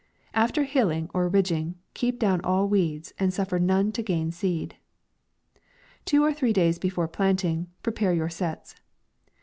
After hilling, or ridging, keep down all weeds, and suffer none to gain seed." Two or three days before planting, pre pare your sets.